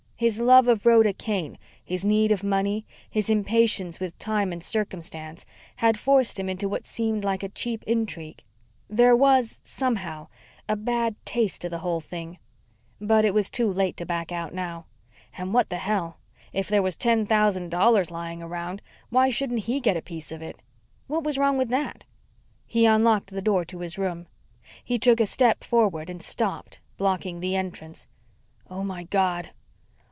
His love of Rhoda Kane, his need of money, his impatience with time and circumstance, had forced him into what seemed like a cheap intrigue. There was, somehow, a bad taste to the whole thing. But it was too late to back out now. And what the hell! If there was ten thousand dollars lying around, why shouldn't he get a piece of it? What was wrong with that? He unlocked the door to his room. He took a step forward and stopped, blocking the entrance. "Oh, my God!"